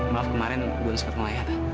maaf kemarin belum sempat melihat